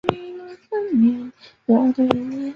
柬埔寨王家陆军是柬埔寨王家军队的一部分。